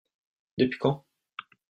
Depuis quand ?